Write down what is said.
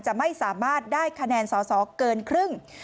จะไม่สามารถได้คะแนนสอสอเกินครึ่ง